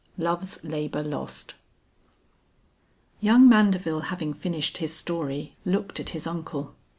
LOVES LABOR LOST. Young Mandeville having finished his story, looked at his uncle.